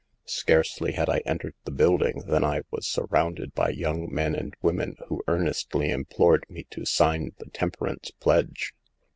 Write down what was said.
Scarcely had I entered the building than I was surrounded by young men and women, who earnestly implored me to sign the temperance pledge.